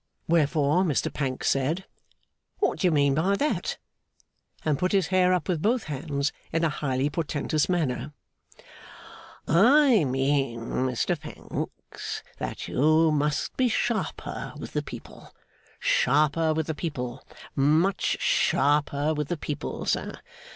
Wherefore, Mr Pancks said, 'What do you mean by that?' and put his hair up with both hands, in a highly portentous manner. 'I mean, Mr Pancks, that you must be sharper with the people, sharper with the people, much sharper with the people, sir.